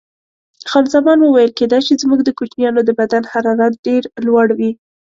خان زمان وویل: کېدای شي، زموږ د کوچنیانو د بدن حرارت ډېر لوړ وي.